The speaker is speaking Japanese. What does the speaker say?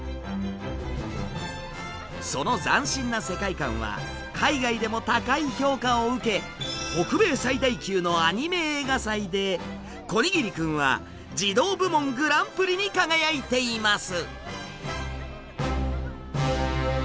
その斬新な世界観は海外でも高い評価を受け北米最大級のアニメ映画祭で「こにぎりくん」は児童部門グランプリに輝いています。